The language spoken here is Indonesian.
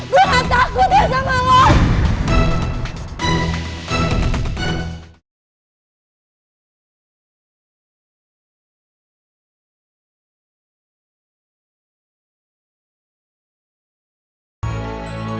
gue gak takut ya sama lo